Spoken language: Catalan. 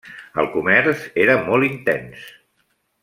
El comerç era molt intens.